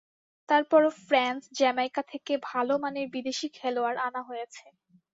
তার পরও France, Jamaica থেকে ভালো মানের বিদেশি খেলোয়াড় আনা হয়েছে।